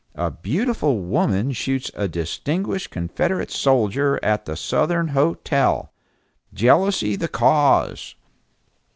A BEAUTIFUL WOMAN SHOOTS A DISTINGUISHED CONFEDERATE SOLDIER AT THE SOUTHERN HOTEL!!! JEALOUSY THE CAUSE!!!